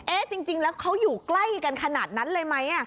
จริงแล้วเขาอยู่ใกล้กันขนาดนั้นเลยไหม